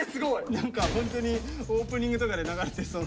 何かホントにオープニングとかで流れてそうなね。